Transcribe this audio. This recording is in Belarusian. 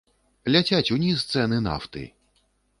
Ляцяць уніз цэны нафты.